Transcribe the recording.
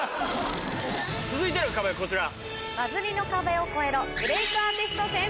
続いての壁はこちら。